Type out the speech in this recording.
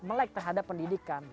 bisa melalui pendidikan